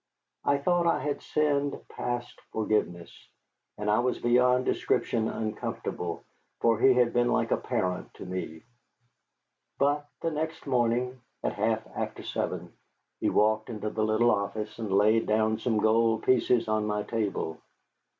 I thought I had sinned past forgiveness, and I was beyond description uncomfortable, for he had been like a parent to me. But the next morning, at half after seven, he walked into the little office and laid down some gold pieces on my table.